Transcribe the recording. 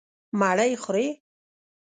_مړۍ خورې؟